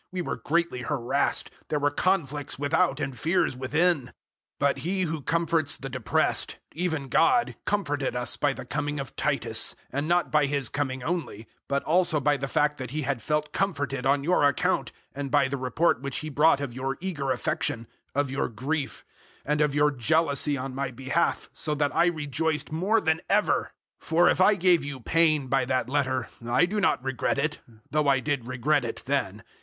We were greatly harassed; there were conflicts without and fears within. 007:006 But He who comforts the depressed even God comforted us by the coming of Titus, and not by his coming only, 007:007 but also by the fact that he had felt comforted on your account, and by the report which he brought of your eager affection, of your grief, and of your jealousy on my behalf, so that I rejoiced more than ever. 007:008 For if I gave you pain by that letter, I do not regret it, though I did regret it then.